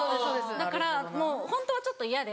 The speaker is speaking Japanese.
だからもうホントはちょっと嫌で。